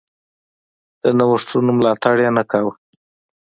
د نوښتونو ملاتړ یې نه کاوه.